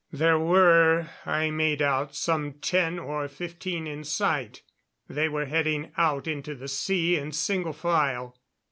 There were, I made out, some ten or fifteen in sight. They were heading out into the sea in single file.